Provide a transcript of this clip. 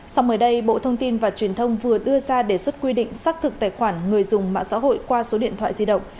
sau mới đây bộ thông tin và truyền thông vừa đưa ra đề xuất quy định xác thực tài khoản người dùng mạng xã hội qua số điện thoại di động